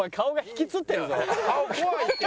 顔怖いって。